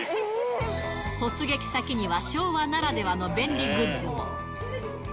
突撃先には、昭和ならではの便利グッズも。